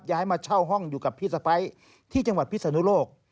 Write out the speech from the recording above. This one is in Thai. ย้ายมาเช่าห้องอยู่กับพี่สะพ้ายที่จังหวัดพิศนุโลก